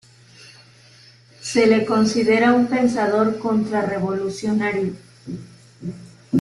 Se le considera un pensador contrarrevolucionario.